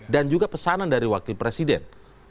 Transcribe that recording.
dan juga pesanan dari wakil presiden